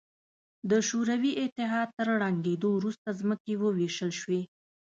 د شوروي اتحاد تر ړنګېدو وروسته ځمکې ووېشل شوې.